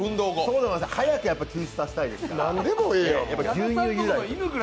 早く吸収させたいですから。